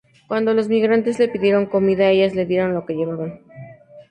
Cuando los migrantes les pidieron comida, ellas les dieron lo que llevaban.